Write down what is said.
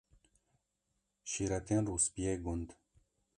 Şîretên Rûspiyê Gund